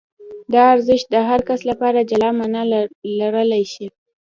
دا ارزښت د هر کس لپاره جلا مانا لرلای شي.